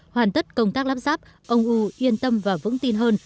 hoàn tất công tác lắp ráp ông u yên tâm và vững tin hơn